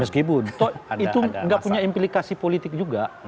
meskipun itu nggak punya implikasi politik juga